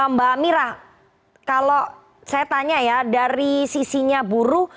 mbak mira kalau saya tanya ya dari sisinya buruh